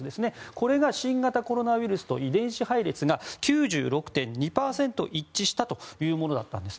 これが新型コロナウイルスと遺伝子配列が９６．２％一致したというものだったんです。